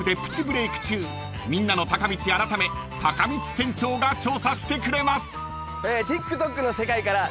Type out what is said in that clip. ［みんなのたかみち改めたかみち店長が調査してくれます］